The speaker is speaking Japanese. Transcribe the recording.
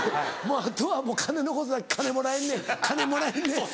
あとはもう金のことだけ金もらえんねん金もらえんねん。